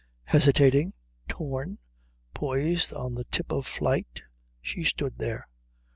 Hesitating, torn, poised on the tip of flight, she stood there.